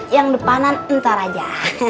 yang depanan entar aja